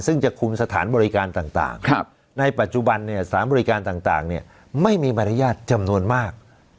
ซึ่งจะคุมสถานบริการต่างในปัจจุบันสถานบริการต่างไม่มีมารยาทจำนวนมาก